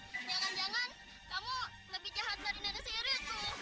jangan jangan kamu lebih jahat dari nenek siri itu